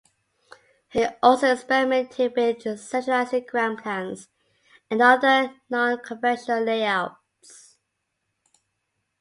He also experimented with centralizing ground-plans and other non-conventional layouts.